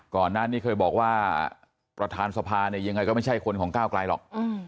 ก่อนนั้นเคยบอกว่าประธานสภายังไงก็ไม่ใช่คนของก้าวกลายหรอก